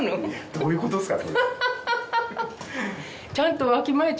どういうことっすか？